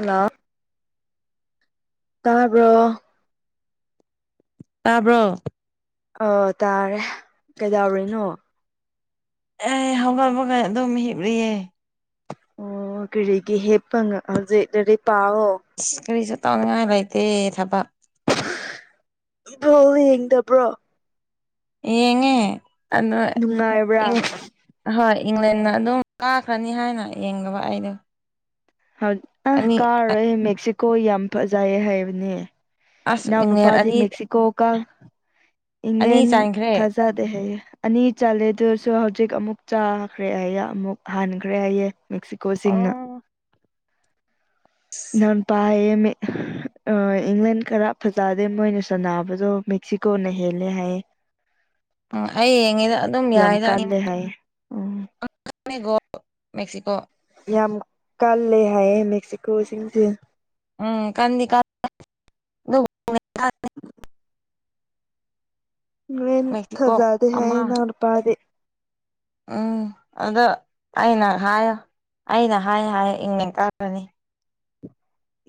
hello ꯇꯥꯕ꯭ꯔꯣ ꯇꯥꯕ꯭ꯔꯣ ꯑ ꯇꯥꯔꯦ ꯀꯩꯗꯧꯔꯤꯅꯣ ꯑꯦ ꯍꯒꯜ ꯉꯥꯏ ꯑꯗꯨꯝ ꯍꯤꯞꯂꯤꯑꯌꯦ ꯑꯣ ꯀꯔꯤꯒꯤ ꯍꯦꯞꯄ ꯍꯧꯖꯤꯛ ꯑꯗꯨꯗꯤ ꯄꯥꯛꯑꯣ ꯑꯁ ꯀꯔꯤꯁꯨ ꯇꯧꯅꯤꯡꯉꯥꯏ ꯂꯩꯇꯦ ꯊꯕꯛ ꯕ꯭ꯔꯣ ꯌꯦꯡꯗꯕ꯭ꯔꯣ ꯌꯦꯡꯉꯦ ꯑꯗꯣ ꯅꯨꯡꯉꯥꯏꯕ꯭ꯔꯥ ꯑꯍꯣꯏ ꯏꯪꯂꯦꯟꯟꯅ ꯑꯗꯨꯝ ꯀꯥꯈ꯭ꯔꯅꯤ ꯍꯥꯏꯅ ꯌꯦꯡꯗꯕ ꯑꯩꯗꯣ ꯑ ꯑꯅꯤ ꯀꯥꯔꯔꯣꯏ ꯃꯦꯛꯁꯤꯀꯣ ꯌꯥꯝ ꯐꯖꯩꯌꯦ ꯍꯥꯏꯕꯅꯦ ꯑꯁ ꯏꯎ ꯅꯨ ꯏꯪꯂꯦꯟ ꯎꯄꯥꯗꯤ ꯑꯅꯤ ꯃꯦꯛꯁꯤꯀꯣ ꯀ ꯑꯅꯤ ꯏꯪꯂ꯭ꯂꯦꯟ ꯆꯟꯈ꯭ꯔꯦ ꯊꯖꯗꯦ ꯍꯥꯏ ꯑꯅꯤ ꯆꯂꯦꯗꯨꯁꯨ ꯍꯧꯖꯤꯛ ꯑꯃꯨꯛ ꯆꯥꯈ꯭ꯔꯦ ꯍꯥꯏꯌꯦ ꯑꯃꯨꯛ ꯍꯥꯟꯈ꯭ꯔꯦ ꯍꯥꯏꯌꯦ ꯃꯦꯛꯁꯤꯀꯣꯁꯤꯡꯅ ꯑꯣ ꯅꯣꯟ ꯄꯌꯦꯃꯦ ꯑ ꯏꯪꯂꯦꯟ ꯈꯔ ꯐꯖꯗꯦ ꯃꯣꯏꯅ ꯁꯥꯟꯕꯗꯣ ꯃꯦꯛꯁꯤꯀꯣꯅ ꯍꯦꯜꯂꯦ ꯍꯥꯏꯌꯦ [unintelligible] ꯎꯝ ꯑꯩ ꯌꯦꯡꯉꯤꯗ ꯑꯗꯨꯝ ꯌꯥꯝ ꯌꯥꯏꯗ ꯀꯜꯂꯦ ꯍꯥꯏꯌꯦ ꯎꯝ ꯃꯦꯛꯁꯤꯀꯣ ꯌꯥꯝ ꯀꯜꯂꯦ ꯍꯥꯏꯌꯦ ꯃꯦꯛꯁꯤꯀꯣꯁꯤꯡꯁꯦ ꯎꯝ ꯀꯅꯤ ꯀ ꯎ ꯅꯦꯟ ꯃꯦꯛꯁꯤꯀꯣ ꯊꯖꯥꯗꯦ ꯍꯥꯏ ꯑꯃ ꯅꯎ ꯅꯨꯄꯥꯗꯤ ꯎꯝ ꯑꯗꯣ ꯑꯩꯅ ꯍꯥꯏꯌꯣ ꯑꯩꯅ ꯍꯥꯏ ꯍꯥꯏꯌ ꯏꯪꯉ ꯇꯥꯔꯅꯤ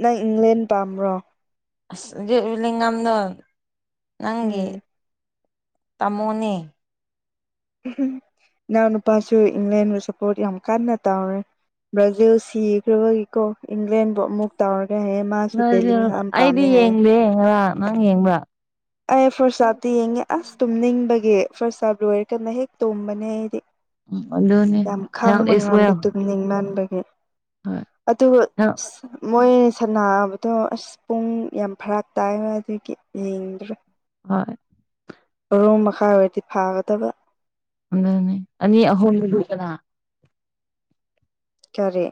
ꯅꯪ ꯏꯪꯂꯦꯟ ꯄꯥꯝꯕ꯭ꯔꯣ ꯑꯁ ꯍꯧꯖꯤꯂꯤꯉꯝꯗꯣ ꯅꯪꯒꯤ ꯎꯝ ꯇꯥꯃꯣꯅꯦ ꯅꯥꯎꯅꯄꯥꯥꯁꯨ ꯏꯪ꯭ꯂꯦꯟ ꯔ ꯁꯄꯣꯠ ꯌꯥꯝ ꯀꯥꯟꯅ ꯇꯥꯧꯔꯦ ꯕ꯭ꯔꯥꯖꯤꯜ ꯁꯤꯈ꯭ꯔꯕꯒꯤꯀꯣ ꯏꯪꯂꯦꯟꯕꯨ ꯑꯃꯨꯛ ꯇꯥꯎꯔꯒ ꯍꯌꯦꯡ ꯑꯩꯗꯤ ꯌꯦꯡꯗꯦꯡ ꯉꯔ ꯅꯪ ꯌꯦꯡꯕ꯭ꯔꯥ ꯑꯩ ꯐꯔꯁꯥꯠꯇꯇ ꯌꯦꯡꯉꯦ ꯑꯁ ꯇꯨꯝ ꯅꯤꯡꯕꯒꯤꯦ ꯐꯔꯁꯥꯠ ꯂꯣꯏꯔꯦ ꯀꯟꯅ ꯍꯦꯛ ꯇꯣꯕꯅꯦ ꯑꯩꯗꯤ ꯎꯝ ꯑꯗꯨꯅꯦ ꯌꯥꯝ ꯍꯦꯜꯠ ꯈꯥꯡꯕ ꯏꯁ ꯉꯝꯗꯦ ꯋꯦꯜ ꯇꯨꯝꯅꯤꯡ ꯃꯟꯕꯒꯤ ꯍꯣꯏ ꯑꯗꯨ ꯃꯣꯏ ꯁꯕꯗꯣ ꯑꯁ ꯄꯨꯡ ꯌꯥꯝ ꯐꯔꯥꯛ ꯇꯥꯏ ꯍ ꯑꯗꯨꯒꯤ ꯌꯦꯡꯗ꯭ꯔꯦ ꯍꯣꯏ ꯔꯨꯝ ꯃꯈꯥꯏ ꯑꯣꯏꯔꯗꯤ ꯐꯥꯒꯗꯕ ꯅꯦ ꯑꯅꯤ ꯑꯍꯨꯝꯗꯅ ꯇꯔꯦ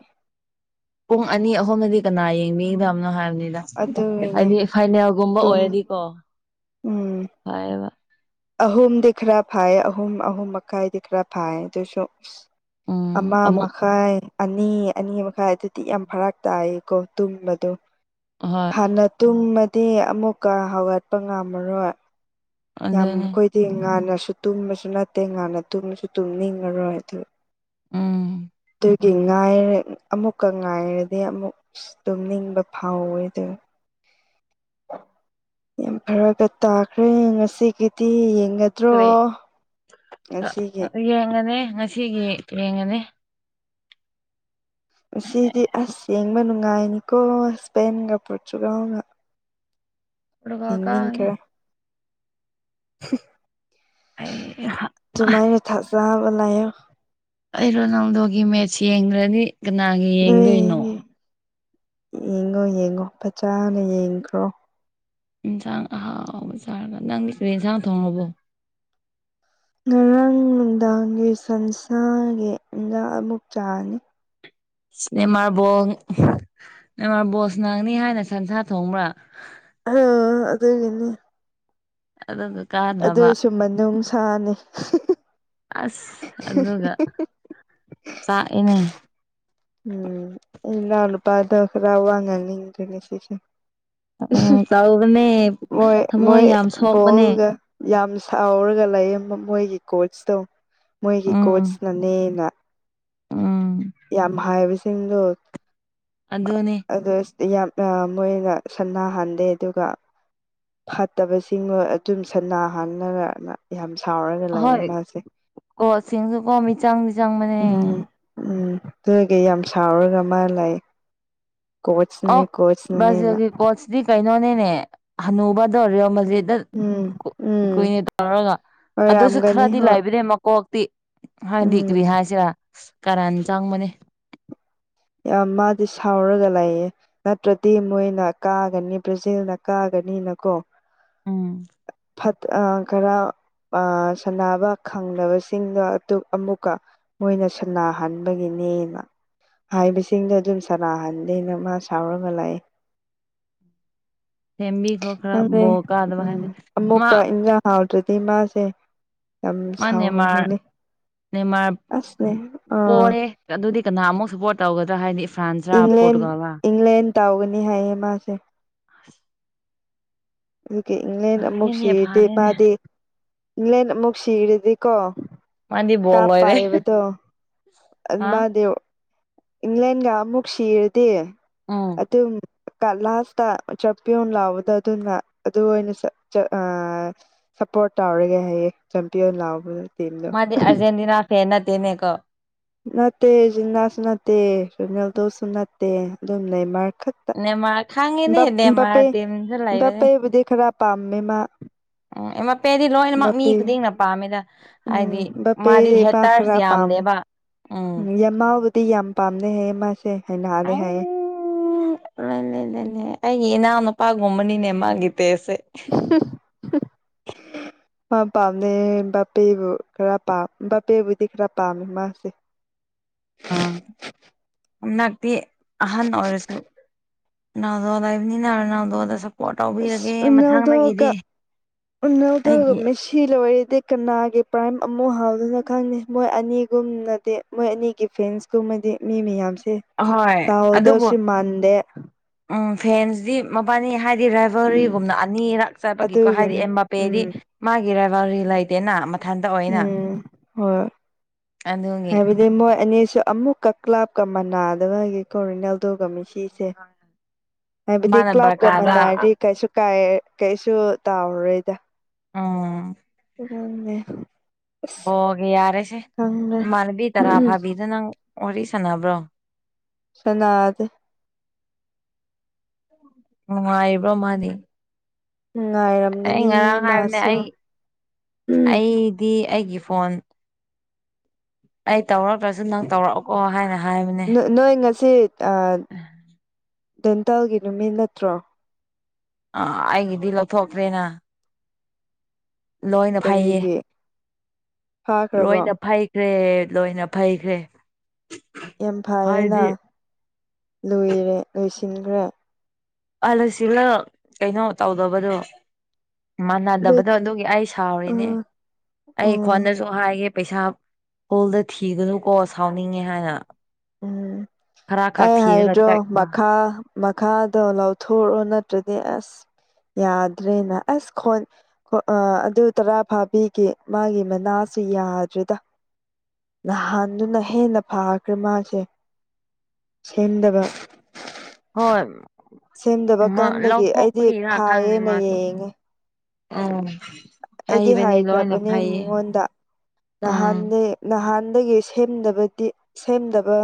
ꯄꯨꯡ ꯑꯅꯤ ꯑꯍꯨꯝꯅꯗꯤ ꯀꯅꯥ ꯌꯦꯡꯕꯤꯗꯕꯅꯣ ꯍꯥꯏꯕꯅꯤꯗ ꯑꯗꯨꯒꯤꯅꯦ ꯍꯥꯏꯗꯤ ꯐꯥꯏꯅꯦꯜꯒꯨꯝꯕ ꯇꯨꯝ ꯑꯣꯏꯔꯗꯤꯀꯣ ꯐꯦ ꯑꯍꯨꯝ ꯈꯔꯥ ꯐꯥꯌꯦ ꯑꯍꯨꯝ ꯑꯍꯨꯝ ꯃꯀꯥꯏ ꯭ꯔꯥ ꯐꯥꯌꯦꯁꯨꯣ ꯎꯝ ꯑꯃꯥ ꯑꯃꯨꯛ ꯃꯈꯥꯏ ꯑꯅꯤ ꯑꯅꯤ ꯃꯈꯥꯏ ꯑꯗꯨꯗꯤ ꯌꯥꯝ ꯐꯔꯥꯛ ꯇꯥꯏꯀꯣ ꯇꯨꯝꯕꯗꯣ ꯍꯣꯏ ꯍꯥꯟꯅ ꯇꯨꯝꯃꯗꯤ ꯑꯃꯨꯛꯀ ꯍꯧꯒꯠꯄ ꯉꯝꯃꯔꯣꯏ ꯌꯥꯝ ꯑꯗꯨꯅꯤ ꯑꯩꯈꯣꯏꯗꯤ ꯉꯥꯟꯅꯁꯨ ꯇꯨꯝꯕꯁꯨ ꯅꯠꯇꯦ ꯉꯥꯟꯅ ꯇꯨꯝꯕꯁꯨ ꯇꯨꯝꯅꯤꯡꯉꯔꯣꯏ ꯑꯗꯨ ꯎꯝ ꯑꯗꯨꯒꯤ ꯉꯥꯏꯔ ꯑꯃꯨꯛꯀ ꯉꯥꯏꯔꯗꯤ ꯑꯃꯨꯛ ꯇꯨꯝꯅꯤꯡꯕ ꯐꯥꯎꯋꯦꯗ ꯌꯥꯝ ꯐꯔꯕꯠꯇꯈ꯭ꯔꯦ ꯁꯤꯒꯤꯗꯤ ꯌꯦꯡꯒꯗ꯭ꯔꯣ ꯀꯔꯤ ꯉꯁꯤꯒꯤ ꯌꯦꯡꯉꯅꯤ ꯉꯁꯤꯒꯤ ꯌꯦꯡꯉꯅꯤ ꯁꯤꯗꯤ ꯑꯁ ꯌꯦꯡꯕ ꯅꯨꯡꯉꯥꯏꯅꯤꯀꯣ ꯍꯁꯄꯦꯟꯒ ꯄꯣꯔꯆꯨꯒꯅ ꯏ ꯀ ꯀꯥꯅꯤ [unintelligible] ꯑꯩ ꯇꯨꯃꯥꯏꯅ ꯊ ꯆꯥꯕꯂꯣ ꯑꯩ ꯔꯣꯅꯥꯜꯗꯣꯒꯤ ꯃꯦꯠꯆ ꯌꯦꯡꯈ꯭ꯔꯅꯤ ꯅꯥꯒꯤ ꯅꯣꯏ ꯌꯦꯡꯉꯦ ꯌꯦꯡꯉꯣ ꯌꯦꯡꯉꯣ ꯐꯖꯥꯅ ꯌꯦꯡꯈ꯭ꯔꯣ ꯌꯦꯟꯁꯥꯡ ꯑꯍꯥꯎꯕ ꯆꯥꯔꯒ ꯅꯪꯒꯤꯁꯤꯗ ꯏꯟꯁꯥꯡ ꯊꯣꯡꯉꯔꯕꯣ ꯉꯔꯥꯡ ꯅꯨꯡꯗꯥꯡꯒꯤ ꯁꯟꯁꯥꯒꯤꯟꯗꯥꯛ ꯑꯃꯨꯛ ꯆꯥꯔꯅꯤ ꯅꯅꯤꯃꯥꯕꯣꯅꯤꯃꯥꯔꯕꯣꯁ ꯅꯥꯡꯅꯤ ꯍꯥꯏꯅ ꯁꯟꯁꯥ ꯊꯣꯡꯕ꯭ꯔꯥ ꯑꯥ ꯑꯗꯨꯗꯒꯅꯤ ꯑꯗꯨ ꯑꯗꯨꯏꯁꯨ ꯃꯅꯨꯡ ꯁꯥꯅꯤ ꯑꯁ ꯑꯗꯨꯒ ꯆꯥꯛꯏꯅꯦ ꯎꯝ ꯏ ꯂ ꯄꯗꯈꯔꯥꯎ ꯋꯥ ꯉꯅꯤꯁꯤ ꯎꯝ ꯇꯧꯕꯅꯦ ꯃꯣꯏ ꯃꯣꯏ ꯊꯃꯣꯏ ꯌꯥꯝ ꯁꯣꯛꯄꯅꯦ ꯣꯜꯒ ꯌꯥꯝ ꯁꯥꯎꯔꯒ ꯂꯩ ꯃꯣꯏꯒꯤ ꯀꯣꯆꯇꯣ ꯃꯣꯏꯒꯤ ꯎꯝ ꯀꯣꯆꯅꯅꯦꯅ ꯎꯝ ꯌꯥꯝ ꯍꯥꯏꯕꯁꯤꯡꯗꯣ ꯑꯗꯨꯅꯦ ꯑꯗꯨ ꯌꯥꯝꯅ ꯃꯣꯏꯅ ꯁꯅꯥꯍꯟꯗꯦ ꯑꯗꯨꯒ ꯐꯠꯇꯕꯁꯤꯡꯣ ꯑꯗꯨꯝ ꯁꯅꯥ ꯍꯥꯟꯅꯔ ꯌꯥꯝ ꯁꯥꯎꯔꯒ ꯂꯥꯛꯑꯦ ꯃꯥꯁꯦ ꯀꯣꯆ ꯁꯤꯡ ꯖꯨ ꯀꯣ ꯃꯤꯆꯡ ꯗꯤ ꯆꯅꯕꯅꯦ ꯎꯝ ꯎꯝ ꯑꯗꯨꯒ ꯌꯥꯝ ꯁꯥꯎꯔꯒ ꯃꯥ ꯂꯩ ꯑꯣ ꯀꯣꯆꯅꯦ ꯀꯣꯆꯅꯅꯦꯅ ꯕ꯭ꯔꯥꯖꯤꯜꯒꯤ ꯀꯣꯆꯗꯤ ꯀꯩꯅꯣꯅꯦꯅꯦ ꯍꯅꯨꯕꯗꯧꯔꯤꯣ ꯃꯖꯤꯗ ꯎꯝ ꯎꯝ ꯀꯨꯏꯅꯦ ꯇꯧꯔꯒ ꯑꯗꯨꯁꯨ ꯑꯣꯏꯔꯝꯒꯅꯤ ꯈꯔꯗꯤ ꯍꯣꯏ ꯂꯥꯏꯕꯤꯔꯦ ꯃꯀꯣꯛ ꯇꯤ ꯎꯝ ꯍꯗꯤꯒ꯭ꯔꯤ ꯍꯥꯏꯁꯦ ꯀꯔꯅ ꯆꯪꯕꯅꯤ ꯌꯥꯝ ꯃꯥꯗꯤ ꯁꯥꯎꯔꯒ ꯂꯥꯛꯌꯦꯦ ꯅꯠꯇ꯭ꯔꯗꯤ ꯃꯣꯏꯅ ꯀꯥꯒꯅꯤ ꯕ꯭ꯔꯥꯖꯤꯜꯅ ꯀꯥꯒꯅꯤꯅꯀꯣ ꯎꯝ ꯈꯔ ꯁꯥꯟꯅꯕ ꯈꯪꯗꯕꯁꯤꯡꯗꯣ ꯑꯃꯨꯛꯀ ꯃꯣꯏꯅ ꯁꯟꯅꯥꯍꯟꯕꯒꯤꯅꯦꯅ ꯍꯥꯏꯕꯁꯤꯡꯗꯣ ꯑꯗꯨꯝ ꯁꯔꯍꯟꯗꯦꯅ ꯃꯥ ꯁꯥꯎꯔꯒ ꯂꯥꯛ ꯊꯦꯝꯃꯤ ꯈꯣ ꯈꯔ ꯣ ꯀꯥꯗ ꯎꯝ ꯑꯃꯨꯛꯀ ꯏꯟꯖꯥꯡ ꯍꯥꯎꯗ꯭ꯔꯗꯤ ꯃꯥꯁꯦ ꯌꯥꯝ ꯃꯥ ꯁꯥꯎ ꯅꯦꯃꯥꯔ ꯍꯅꯦ ꯅꯦꯃꯥꯔ ꯑꯁꯅꯦ ꯑ ꯄꯣꯔꯦ ꯑꯗꯨꯗꯤ ꯀꯅꯥꯃꯨꯛ ꯁꯞꯄꯣꯔꯠ ꯇꯧꯒꯗ꯭ꯔꯥ ꯍꯥꯏꯅꯤ ꯏꯪꯂꯦꯟ ꯏꯪꯂꯦꯟ ꯇꯥꯎꯒꯅꯤ ꯍꯥꯏꯌꯦ ꯃꯥꯁꯦ ꯑ ꯑꯗꯨꯗꯒꯤ ꯏꯪꯂꯦꯟ ꯑꯃꯨꯛ ꯐꯔꯦꯅꯦ ꯁꯤꯔꯗꯦ ꯐꯔꯦꯅꯦ ꯃꯥꯗꯤ ꯏꯪꯂꯦꯟ ꯑꯃꯨꯛ ꯁꯤꯔꯗꯤꯀꯣ ꯃꯥꯗꯤ ꯕꯣꯜ ꯂꯣꯏꯔꯦ ꯀꯥꯞꯕꯗꯣ ꯑ ꯍꯥ ꯃꯥꯗꯦ ꯏꯪꯂ‌ꯦꯟ ꯒ ꯑꯃꯨꯛ ꯁꯤꯔꯗꯤ ꯎ ꯑꯗꯨ ꯀ ꯂꯥꯁꯇ ꯆꯞꯄꯤꯌꯣ ꯂꯥꯎꯕꯗꯣ ꯑꯗꯨꯅ ꯑꯗꯨ ꯑꯣꯏꯅ ꯑ ꯁꯞꯄꯣꯔꯠ ꯇꯧꯔꯒꯦ ꯍꯥꯏꯌꯦꯡ ꯆꯦꯝꯄꯤꯌꯟ ꯂꯥꯛꯕꯗ ꯃꯥꯗꯤꯦ ꯑꯔꯖꯦꯟꯇꯤꯅꯥ ꯐꯦꯟ ꯇꯦꯅꯦꯀꯣ ꯅꯠꯇꯦ ꯖꯤꯟꯅꯥꯁꯨ ꯅꯠꯇꯦ ꯔꯅꯦꯜꯗꯣꯁꯨ ꯅꯠꯇꯦ ꯑꯗꯨꯝ ꯂꯩ ꯃꯥ ꯈ ꯅꯦꯃꯥꯔ ꯈꯥꯡꯉꯦꯅꯦ ꯅꯦꯃꯥꯔ ꯇꯤꯝꯁꯨ ꯂꯩꯕꯅꯦ ꯄꯄꯦ ꯄꯦꯗꯤ ꯈꯔ ꯄꯥꯝꯃꯦꯃ ꯎꯝ ꯃꯄꯦꯗꯤ ꯂꯣꯏꯅꯃꯛ ꯃꯤ ꯈꯨꯗꯤꯡꯅ ꯄꯥꯝꯃꯤꯗ ꯍꯥꯏꯗꯤ ꯎꯝ ꯕꯥꯄꯦ ꯃꯥꯗꯤ ꯍꯦ ꯃꯥ ꯇꯔꯁ ꯌꯥꯝꯅꯦꯦꯕ ꯎꯝ ꯃꯥꯕꯨꯗꯤ ꯌꯥꯝ ꯄꯥꯝꯅꯩ ꯃꯥꯁꯦ ꯍꯥꯏꯅꯜꯂꯦ ꯍꯥꯏꯌꯦꯦ ꯑꯩ ꯂꯩ ꯂꯩ ꯂꯩꯅꯦ ꯑꯩꯒꯤ ꯏꯅꯥꯎ ꯅꯨꯄꯥ ꯒꯨꯝꯕꯅꯤ ꯅꯦ ꯃꯥ ꯒꯤꯇꯁꯦ ꯃꯥ ꯄꯥꯝꯅꯦ ꯕꯄꯦꯕꯨ ꯈꯔ ꯄꯥꯝ ꯕꯄꯦꯕꯨꯗꯤ ꯈꯔ ꯄꯥꯝꯃꯦ ꯃꯥꯁꯦ ꯎ ꯅꯛꯇꯤ ꯑꯍꯟ ꯑꯣꯏꯔꯁꯨ ꯅꯅꯥꯗꯋꯥꯗ ꯅꯅ ꯅꯅꯥꯗꯗ ꯁ ꯑꯁ ꯎꯅꯥꯜꯗ‌ꯣ ꯒ ꯎꯅꯥꯜꯗ‌ꯣ ꯒ ꯑꯩꯒꯤ ꯃ‌ꯦꯁꯤ ꯁꯤ ꯂꯣꯏꯔꯗꯤ ꯀꯅꯥꯒꯤ ꯄ꯭ꯔꯥꯏꯝ ꯑꯃꯨꯛ ꯍꯥꯎꯗꯅ ꯈꯪꯉꯦ ꯃꯣꯏ ꯑꯅꯤꯒꯨꯝꯅꯗꯤ ꯃꯣꯏ ꯑꯅꯤꯒꯤ ꯐ꯭ꯔꯦꯟꯁꯀꯨꯝꯕꯗꯤ ꯃꯤ ꯃꯌꯥꯝꯁꯦ ꯑꯍꯣꯏ ꯑꯗꯨꯕꯨ ꯇꯥꯎꯗꯧꯁꯦ ꯃꯥꯟꯗꯦ ꯎꯝ ꯐꯦꯟꯁꯤꯗꯤ ꯃꯄꯥꯟꯅꯤ ꯍꯥꯏꯗꯤ ꯗ꯭ꯔꯥꯏꯚꯔꯤꯒꯨꯝꯅ ꯑꯅꯤꯔꯛ ꯆꯠꯄꯒꯤꯀꯣ ꯍꯥꯏꯗꯤ ꯑꯗꯨꯒꯤꯅꯤ ꯑꯦꯝ ꯄꯦꯗꯤ ꯎꯝ ꯃꯥꯒꯤ ꯗ꯭ꯔꯥꯏꯚꯔꯤ ꯂꯩꯇꯦꯅ ꯃꯊꯟꯇ ꯑꯣꯏꯅ ꯎꯝ ꯍꯣꯏ ꯑꯗꯨꯒꯤ ꯑꯗꯩ ꯃꯣꯏ ꯑꯅꯤꯁꯨ ꯑꯃꯨꯛꯀ ꯀ꯭ꯂꯥꯞꯀ ꯃꯅꯗꯕꯒꯤ ꯀꯣꯔꯤꯅꯦꯜ ꯑꯗꯨꯒꯒ ꯃꯤꯁꯤ ꯍꯥꯏꯕꯗꯤ ꯃꯥꯅ ꯕꯔꯀꯥꯗ ꯀ꯭ꯂꯕꯒꯃꯗꯔ ꯀꯩꯁꯨ ꯀꯥꯏ ꯀꯩꯁꯨ ꯇꯥꯎꯔꯔꯣꯏꯗ ꯑꯥ ꯀꯦ ꯕꯒꯦ ꯌꯥꯔꯦꯁꯦ ꯈꯪꯗꯦ ꯏꯃꯅꯕꯤ ꯇꯔꯥ ꯐꯥꯕꯤꯗ ꯅꯪ ꯋꯥꯔꯤ ꯁꯥꯟꯅꯕ꯭ꯔꯣ ꯁꯅꯥꯗ ꯅꯨꯡꯉꯥꯏꯕ꯭ꯔꯣ ꯃꯥꯗꯤ ꯎꯝꯉꯥꯏꯔꯝ ꯑꯩ ꯉꯔꯥꯡ ꯍꯥꯏꯕꯅꯦ ꯑꯩ ꯑꯩꯗꯤ ꯑꯩꯒꯤ ꯐꯣꯟ ꯑꯩ ꯇꯧꯔꯛꯇ꯭ꯔꯁꯨ ꯅꯪ ꯇꯧꯔꯛꯀꯣ ꯍꯥꯏꯅ ꯍꯥꯏꯕꯅꯦ ꯅꯣꯏ ꯉꯁꯤ ꯑ ꯗꯦꯟꯇꯜꯒꯤ ꯅꯨꯃꯤꯠ ꯅꯠꯇ꯭ꯔꯣ ꯑ ꯑꯩꯒꯤꯗꯤ ꯂꯧꯊꯣꯛꯇ꯭ꯔꯦꯅ ꯂꯣꯏꯅ ꯐꯩꯌꯦ ꯀꯔꯤꯒꯤ ꯐꯥꯈ꯭ꯔꯕꯣ ꯂꯣꯏꯅ ꯐꯩ ꯀ꯭ꯔꯦ ꯂꯣꯏꯅ ꯐꯩꯈ꯭ꯔꯦ ꯌꯥꯝ ꯐꯩꯌꯦꯅ ꯍꯥꯏꯗꯤ ꯂꯣꯏꯔꯦ ꯂꯣꯏꯁꯤꯟꯈ꯭ꯔꯦ ꯑꯜꯁꯤꯂ ꯀꯩꯅꯣ ꯇꯧꯗꯕꯗꯣ ꯃꯥꯟꯅꯗꯕꯗꯣ ꯑꯗꯨꯒꯤ ꯑꯩ ꯁꯥꯎꯔꯤꯅꯦ ꯎꯝ ꯑꯩ ꯎꯝ ꯈꯣꯟꯅ ꯁꯨ ꯍꯥꯏꯒꯦ ꯄꯩꯁꯥ ꯍꯣꯜꯗ ꯊꯤꯒꯅꯨꯀꯣ ꯁꯥꯎꯅꯤꯡꯉꯦ ꯍꯥꯏꯅ ꯎꯝ ꯈꯔ ꯈꯛ ꯑꯩ ꯊꯤꯔꯒ ꯍꯥꯏꯗ꯭ꯔꯣ ꯆꯠꯄ ꯃꯈꯥ ꯃꯈꯥꯗꯣ ꯂꯧꯊꯨꯔꯣ ꯅꯠꯇ꯭ꯔꯗꯤ ꯑꯁ ꯌꯥꯗ꯭ꯔꯦꯅ ꯑꯁ ꯈꯣꯟ ꯑꯥ ꯑꯗꯨ ꯇꯔꯥ ꯐꯥꯕꯤꯒꯦ ꯃꯥꯒꯤ ꯃꯅꯥꯁꯨ ꯌꯥꯗ꯭ꯔꯦꯗ ꯅꯍꯥꯟꯗꯨꯅ ꯍꯦꯟꯅ ꯐꯈ꯭ꯔꯦ ꯃꯥꯁꯦ ꯁꯦꯝꯗꯕ ꯍꯣꯏ ꯁꯦꯝꯗꯕ ꯀꯥꯟꯗꯒꯤ ꯑꯩꯗꯤ ꯂꯧꯊꯣꯛꯄꯒꯤ ꯏꯔꯥꯛ ꯈꯪꯅꯤ ꯐꯥꯏꯌꯦꯅ ꯃꯥꯁꯨ ꯌꯦꯡꯉꯦ ꯎꯝ ꯑꯩꯗꯤ ꯐꯩꯕꯅꯤ ꯂꯣꯏꯅ ꯍꯥꯏꯈ꯭ꯔꯕꯅꯦ ꯐꯩꯌꯦ ꯃꯉꯣꯟꯗ ꯎꯝ ꯅꯍꯥꯟꯗꯤ ꯅꯍꯥꯟꯗꯒꯤ ꯁꯦꯝꯗꯕꯗꯤ ꯁꯦꯝꯗꯕ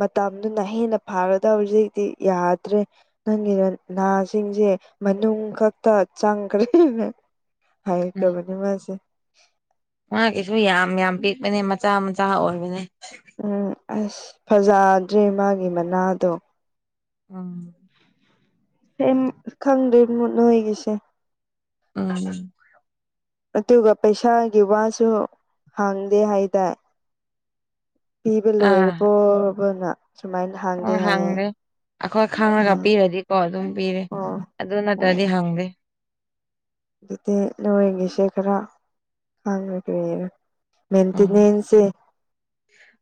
ꯃꯇꯝꯗꯨꯅ ꯍꯦꯟꯅ ꯐꯒꯗꯕ ꯍꯧꯖꯤꯛꯇꯤ ꯌꯥꯗ꯭ꯔꯦ ꯅꯪꯒꯤ ꯅꯥꯁꯤꯡꯁꯦ ꯃꯅꯨꯡ ꯈꯛꯇ ꯆꯪꯈ꯭ꯔꯦ ꯎꯝ ꯍꯥꯏꯈ꯭ꯔꯕꯅꯤ ꯃꯥꯁꯦ ꯃꯥꯒꯤꯁꯨ ꯌꯥꯝ ꯌꯥꯝ ꯄꯤꯛꯄꯅꯦ ꯃꯆꯥ ꯃꯆꯥ ꯑꯣꯏꯕꯅꯦ ꯎꯝ ꯑꯁ ꯐꯖꯗ꯭ꯔꯦ ꯃꯥꯒꯤ ꯃꯅꯥꯗꯣ ꯑꯝ ꯍ ꯈꯪꯗꯔ ꯃꯣꯏꯅꯒꯁꯦ ꯎꯝ ꯑꯗꯨꯒ ꯄꯩꯁꯥꯒꯤ ꯋꯥꯁꯨ ꯍꯥꯡꯗꯦ ꯍꯥꯏꯇꯥꯔꯦ ꯄꯤꯕ ꯑꯥ ꯂꯣꯏꯔꯕꯣꯕꯅ ꯁꯨꯃꯥꯏꯅ ꯍꯥꯡꯗꯦ ꯑꯣ ꯍꯥꯏꯌꯦ ꯍꯪꯗꯦ ꯑꯩꯈꯣꯏ ꯈꯥꯡꯉꯒ ꯎꯝ ꯄꯤꯔꯗꯤꯀꯣ ꯑꯗꯨꯝ ꯄꯤꯔꯦ ꯑꯣ ꯑꯗꯨ ꯑꯣ ꯅꯠꯇꯗ ꯦ ꯑꯗꯨꯗꯤ ꯅꯣꯏꯒꯤꯁꯦ ꯈꯔ ꯈꯥꯡꯕꯔ ꯎꯝ ꯃꯦꯇꯅꯦꯟꯁꯦ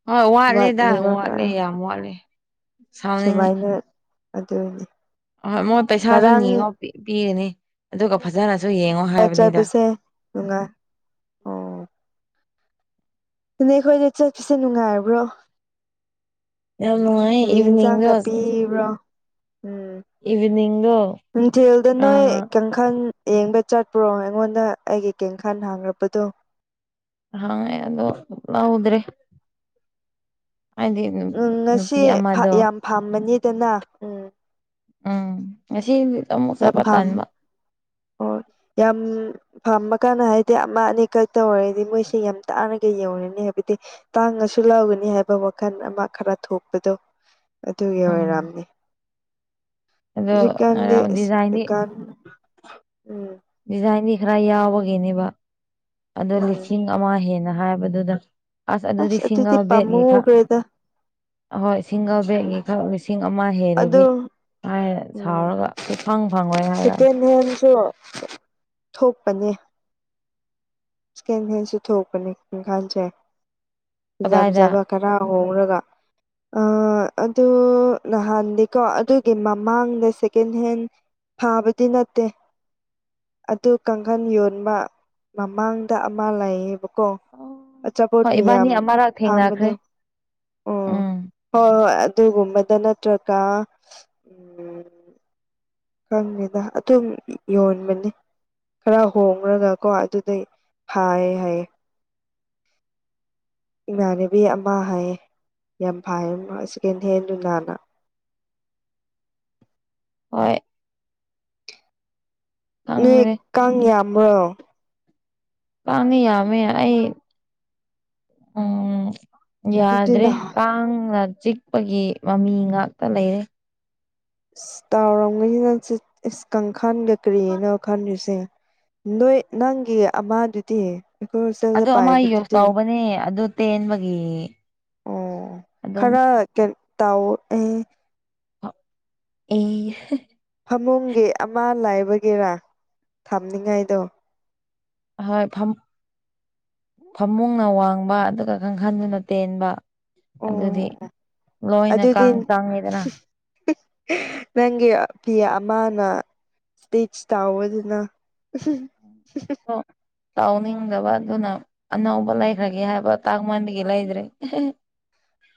ꯍꯣꯏ ꯋꯥꯠꯂꯤꯦꯗ ꯋꯥꯠꯂꯦ ꯌꯥꯝ ꯋꯥꯠꯂꯦ ꯁꯥꯎꯅꯤꯡꯉꯤ ꯁꯨꯃꯥꯏꯅ ꯑꯗꯨꯅꯤ ꯑꯍꯣꯏ ꯃꯣꯏ ꯄꯩꯁꯥꯁꯨ ꯉꯔꯥꯡ ꯅꯤꯉꯣ ꯄꯤꯔꯅꯤ ꯑꯗꯨꯒ ꯐꯖꯅꯁꯨ ꯌꯦꯡꯉꯣ ꯍꯥꯏꯕꯅꯤꯗ ꯆꯥꯏꯕꯁꯦ ꯅꯨꯡꯉꯥꯏ ꯑꯣ ꯑꯗꯨꯅꯦ ꯑꯩꯈꯣꯏꯗ ꯆꯠꯄꯁꯦ ꯅꯨꯡꯉꯥꯏꯕ꯭ꯔꯣ ꯌꯥꯝ ꯅꯨꯡꯉꯥꯏ ꯀꯔꯤ ꯏꯚꯤꯅꯤꯡꯗꯣ ꯌꯦꯟꯁꯥꯡꯒ ꯄꯤꯕ꯭ꯔꯣ ꯏꯚꯤꯅꯤꯡꯗꯣ ꯎꯝ ꯑ ꯖꯦꯜꯗꯅꯣ ꯀꯪ ꯈꯜ ꯌꯦꯡꯕ ꯆꯠꯄ꯭ꯔꯣ ꯑꯩꯉꯣꯟꯗ ꯑꯩꯒꯤ ꯀꯦꯡꯈꯥꯟ ꯍꯥꯡꯈꯄꯗꯣ ꯍꯥꯡ ꯑꯗꯣꯂ ꯍꯎꯗ꯭ꯔꯦ [unintelligible] ꯎꯝ ꯉꯁꯤ ꯅꯨꯄꯤ ꯑꯃꯗꯣ ꯌꯥꯝ ꯄꯥꯝꯕꯅꯤꯗꯅ ꯎꯝ ꯎꯝ ꯉꯁꯤ ꯑꯃꯨꯛ ꯆꯠꯄꯠ ꯇꯥꯟꯕ ꯍ ꯌꯥꯝ ꯐꯥꯝꯃ ꯀꯥꯟꯗ ꯍꯥꯏꯕꯗꯤ ꯑꯃ ꯑꯅꯤꯈꯛ ꯇꯧ ꯑꯣꯏꯔꯗꯤ ꯃꯣꯏꯁꯤꯦ ꯌꯥꯝ ꯇꯥꯔꯒ ꯌꯧꯔꯅꯤ ꯍꯥꯏꯕꯗꯤ ꯇꯥꯡꯉꯁꯨ ꯂꯧꯒꯅꯤ ꯍꯥꯏꯕ ꯋꯥꯈꯜ ꯑꯃ ꯈꯔ ꯊꯣꯛꯄꯗꯣ ꯑꯗꯨꯒꯤ ꯎꯝ ꯑꯣꯏꯔꯝꯅꯤ ꯑꯗꯣ ꯉꯔꯥꯡ ꯗꯤꯖꯥꯏꯟꯗꯤ ꯀꯥꯟꯗꯀꯥꯟ ꯎꯝ ꯗꯤꯖꯥꯏꯟꯗꯤ ꯈꯔ ꯌꯥꯎꯕꯒꯤꯅꯦꯕ ꯑꯗꯣ ꯎꯝ ꯂꯤꯁꯤꯡ ꯑꯃ ꯍꯦꯟꯅ ꯍꯥꯏꯕꯗꯨꯗ ꯑꯁ ꯑꯗꯨꯗꯤ ꯁꯤꯁꯤꯡꯕꯦꯔꯑ ꯀ ꯑꯣꯏ ꯁꯤꯡꯒꯜ ꯕꯦꯠꯀꯤ ꯈꯔ ꯂꯤꯁꯤꯡ ꯑꯃ ꯍꯦꯜꯂꯗꯤ ꯑꯗꯣ ꯍꯥꯏ ꯎꯝ ꯁꯥꯎꯔꯒ ꯐꯪ ꯐꯪꯉꯣꯏ ꯍꯥꯏꯔꯛꯑꯦ ꯁꯦꯀꯦꯟ ꯍꯦꯟꯁꯨ ꯊꯣꯛꯄꯅꯦ ꯀꯁꯨ ꯊꯣꯛꯀꯅꯤ ꯏꯈꯁꯦꯖꯥ ꯀꯗꯥꯏꯗ ꯖꯥꯕ ꯈꯔ ꯍꯧꯣꯡꯔꯒ ꯑꯗꯨ ꯅꯍꯥꯟ ꯀꯣ ꯑꯗꯨꯒꯤ ꯃꯃꯥꯡꯗ ꯁꯦꯀꯦꯟ ꯍꯦꯟ ꯐꯥꯕꯗꯤ ꯅꯠꯇꯦ ꯑꯗꯨ ꯀꯥꯡꯈꯟ ꯌꯣꯟꯕ ꯃꯥꯡꯗ ꯑꯃ ꯂꯩꯌꯦꯕꯀꯣ ꯑꯆꯥꯄꯣꯠ ꯍꯣꯏ ꯏꯕꯥꯅꯤ ꯃꯌꯥꯝ ꯑꯃꯔꯛ ꯊꯦꯡꯅꯈ꯭ꯔꯦ ꯐꯥꯝꯕꯗꯣ ꯑꯣ ꯎꯝ ꯍꯣꯏ ꯍꯣꯏ ꯑꯗꯨꯒꯨꯝꯕꯗ ꯅꯠꯇ꯭ꯔꯒ ꯈꯪꯉꯦꯗ ꯑꯗꯨꯝ ꯌꯣꯟꯕꯅꯤ ꯈꯔ ꯍꯣꯡꯉꯒꯀꯣ ꯑꯗꯨꯗꯩ ꯍꯥꯏ ꯍꯥꯏꯌꯦ ꯏꯃꯥꯟꯅꯕꯤ ꯑꯃ ꯍꯥꯏꯌꯦ ꯌꯥꯝ ꯐꯥꯏꯌꯦ ꯁꯦꯀꯦꯟ ꯍꯦꯟꯗꯨ ꯅꯥꯅ ꯍꯣꯏ ꯅꯣꯏ ꯈꯪꯗ꯭ꯔꯦ ꯀꯥꯡ ꯌꯥꯝꯕ꯭ꯔꯣ ꯀꯥꯟꯅꯤ ꯌꯥꯝꯃꯦ ꯑꯩ ꯎꯝ ꯑꯗꯨꯗꯤ ꯌꯥꯗ꯭ꯔꯦ ꯅꯍꯥꯟ ꯀꯥꯡꯅ ꯆꯤꯛꯄꯒꯤ ꯃꯃꯤ ꯉꯥꯛꯇ ꯂꯩꯔꯦ ꯇꯥꯎꯔꯝꯒꯅꯤꯅ ꯀꯥꯡꯈꯥꯟꯒ ꯀꯔꯤꯅ ꯈꯟꯁꯦ ꯅꯣꯏ ꯅꯪꯒꯤ ꯑꯃꯗꯨꯗꯤ ꯑꯩꯈꯣꯏ ꯍꯣꯁꯇꯦꯜꯗ ꯑꯗꯨ ꯑꯃ ꯌꯨꯁ ꯄꯥꯏꯕꯗꯨꯗꯤ ꯇꯧꯕꯅꯦ ꯑꯗꯨ ꯇꯦꯟꯕꯒꯤ ꯑꯣ ꯑꯗꯨꯝ ꯈꯔ ꯇꯥꯎ ꯑꯩ ꯐꯃꯨꯡꯒꯤ ꯑꯃ ꯂꯥꯏꯕꯒꯤꯦꯔꯥ ꯊꯝꯅꯤꯡꯉꯥꯏꯗꯣ ꯑꯍꯣꯏ ꯐ ꯐꯃꯨꯡꯅ ꯋꯥꯡꯕ ꯑꯗꯨꯒ ꯀꯥꯡꯈꯟꯗꯨꯅ ꯇꯦꯟꯕ ꯑꯗꯨꯗꯤ ꯑꯣ ꯂꯣꯏꯅ ꯑꯗꯨꯗꯤ ꯀꯥꯡ ꯆꯪꯉꯤꯗꯅ ꯅꯪꯒꯤ ꯐꯤ ꯑꯃꯅ ꯏꯖ ꯇꯕ ꯑꯗꯨꯅ ꯇꯥꯎꯅꯤꯡꯕ ꯑꯗꯨꯅ ꯑꯅꯕ ꯂꯥꯏꯈ꯭ꯔꯒꯦ ꯍꯥꯏꯕ ꯇꯥꯒꯃꯟꯒꯂ ꯏꯗ꯭ꯔꯦ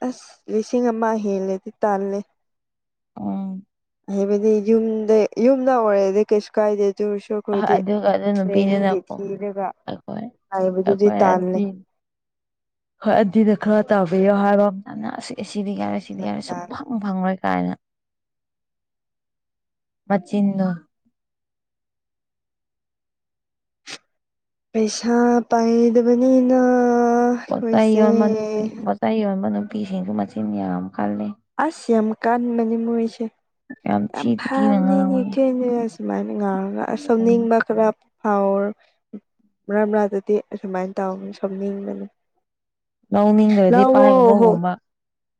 ꯑꯁ ꯂꯤꯁꯤꯡ ꯑꯃ ꯍꯦꯜꯂꯦꯗꯤ ꯇꯥꯜꯂꯦ ꯑꯣ [unintelligible] ꯍꯥꯏꯕꯗꯤ ꯌꯨꯝꯗ ꯌꯨꯝꯗ ꯑꯣꯏꯔꯦꯗꯤ ꯀꯩꯁꯨ ꯀꯥꯏꯗꯦ ꯆꯨꯔ ꯑꯩꯈꯣꯏꯗꯤ ꯑꯗꯨꯒ ꯑꯗꯨ ꯇ꯭ꯔꯦꯟꯒꯤ ꯅꯨꯄꯤꯗꯨꯅꯀꯣ ꯊꯤꯔꯒ ꯑꯩꯈꯣꯏ ꯇꯕꯗꯨꯗꯤ ꯑꯩꯈꯣꯏ ꯇꯥꯟꯂꯦ ꯑꯟꯇꯤ ꯍꯣꯏ ꯑꯟꯇꯤꯗ ꯈꯔ ꯇꯥꯕꯤꯌꯣ ꯍꯥꯏꯕ ꯑꯃꯅꯅ ꯑꯁ ꯁꯤꯗꯤ ꯌꯥꯔꯦ ꯁꯤꯗꯤ ꯌꯥꯝ ꯌꯥꯔꯦ ꯁꯨꯝ ꯇꯥꯜꯂꯦ ꯄꯨꯡ ꯐꯪꯂꯔꯣꯏ ꯀꯥꯏꯅ ꯃꯆꯤꯟꯗꯣ ꯄꯩꯁꯥ ꯄꯥꯏꯗꯕꯅꯤꯅ ꯄꯣꯇ ꯌꯣꯟꯕ ꯑꯩꯈꯣꯏꯁꯦ ꯄꯣꯇ ꯌꯣꯟꯕ ꯅꯨꯄꯤꯁꯤꯡꯁꯨ ꯃꯆꯤꯟ ꯌꯥꯝ ꯀꯜꯂꯤ ꯑꯁ ꯌꯥꯝ ꯀꯥꯥꯟꯕꯅꯦ ꯃꯣꯏꯁꯦ ꯌꯥꯝ ꯊꯤꯗꯤ ꯊꯤꯅ ꯐꯕꯅꯤꯅꯦ ꯉꯥꯡꯕꯅꯤ ꯀꯦꯅꯦꯁꯨꯃꯥꯏꯅ ꯉꯥꯡꯔꯒ ꯁꯧꯅꯤꯡꯕ ꯈꯔ ꯍꯥꯎꯔ ꯃꯔꯥꯗꯗꯤ ꯑꯁꯨꯃꯥꯏꯅ ꯇꯧ ꯁꯣꯅꯤꯡꯕꯅꯤ ꯂꯧꯅꯤꯡꯗ꯭ꯔꯗꯤ ꯂꯧꯋꯣ ꯄꯥꯏꯒꯅꯨꯒꯨꯝꯕ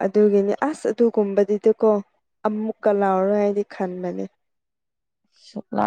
ꯑꯗꯨꯒꯤꯅꯤ ꯑꯁ ꯑꯗꯨꯒꯨꯝꯕꯗꯨꯗꯤꯀꯣ ꯑꯃꯨꯛꯀ ꯂꯥꯎꯔꯣꯏ ꯍꯥꯏꯗꯤ ꯈꯟꯕꯅꯦ ꯁꯨꯛꯂꯥ